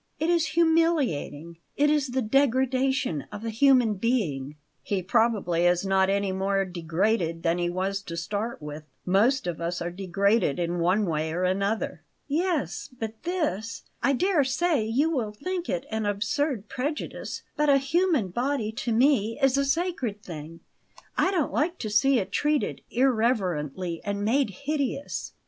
It is humiliating; it is the degradation of a human being." "He probably is not any more degraded than he was to start with. Most of us are degraded in one way or another." "Yes; but this I dare say you will think it an absurd prejudice; but a human body, to me, is a sacred thing; I don't like to see it treated irreverently and made hideous."